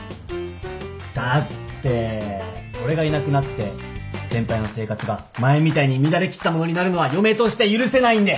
だって俺がいなくなって先輩の生活が前みたいに乱れきったものになるのは嫁として許せないんで。